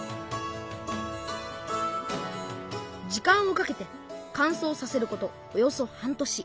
時間をかけてかんそうさせることおよそ半年。